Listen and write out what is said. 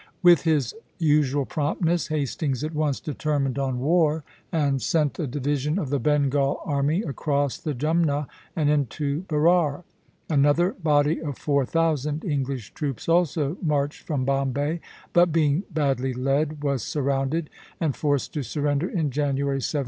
With his usual promptness, Hastings at once determined on war, and sent a division of the Bengal army across the Jumna and into Berar. Another body of four thousand English troops also marched from Bombay; but being badly led, was surrounded and forced to surrender in January, 1779.